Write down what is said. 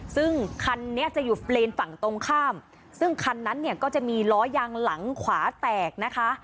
ซึ่งคันนี้จะอยู่เลนฝั่งตรงข้ามซึ่งคันนั้นเนี่ยก็จะมีล้อยางหลังขวาแตกนะคะ